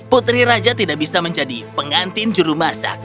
putri raja tidak bisa menjadi pengantin jurumasak